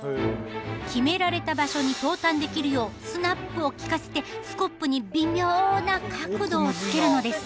決められた場所に投炭できるようスナップを利かせてスコップに微妙な角度をつけるのです。